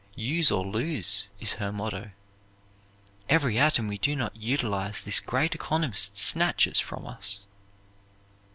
Use or lose is her motto. Every atom we do not utilize this great economist snatches from us.